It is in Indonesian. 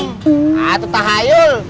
nah tetap hayul